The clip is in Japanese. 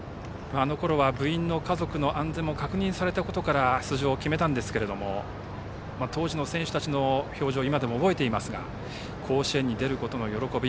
あのころは部員の家族の安全も確認されたことから出場を決めたんですけれども当時の選手たちの表情を今でも覚えていますが甲子園に出ることの喜び